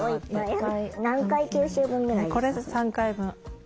３回分？